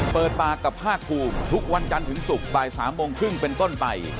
เปิดปากกับภาคภูมิทุกวันจันทร์ถึงศุกร์บ่าย๓โมงครึ่งเป็นต้นไป